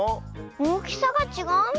おおきさがちがうね。